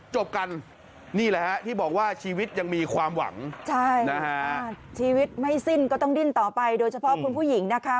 จบกันนี่แหละฮะที่บอกว่าชีวิตยังมีความหวังใช่นะฮะชีวิตไม่สิ้นก็ต้องดิ้นต่อไปโดยเฉพาะคุณผู้หญิงนะคะ